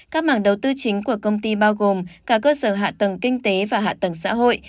các mảng đầu tư chính của công ty bao gồm cả cơ sở hạ tầng kinh tế và hạ tầng xã hội